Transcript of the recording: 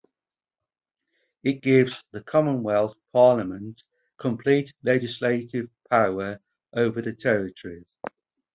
It gives the Commonwealth Parliament complete legislative power over the territories.